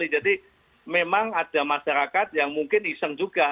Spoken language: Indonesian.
jadi memang ada masyarakat yang mungkin iseng juga